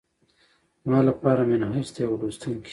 زما لپاره منحیث د یوه لوستونکي